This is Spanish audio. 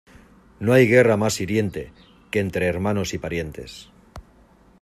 No hay guerra más hiriente que entre hermanos y parientes.